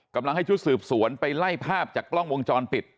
กำลังให้ชุดสืบสวนไปไล่ภาพจากกล้องวงจรปิด